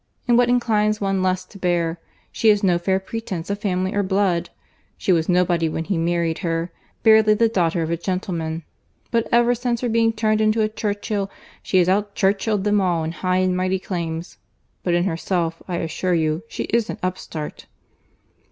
And what inclines one less to bear, she has no fair pretence of family or blood. She was nobody when he married her, barely the daughter of a gentleman; but ever since her being turned into a Churchill she has out Churchill'd them all in high and mighty claims: but in herself, I assure you, she is an upstart."